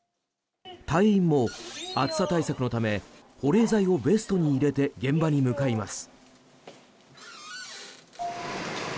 隊員も暑さ対策のため保冷剤をベストに入れて現場に向かいます。